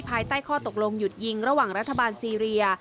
ภายใต้ข้อตกลงหยุดยิงระหว่างรัฐบาลซีเรีย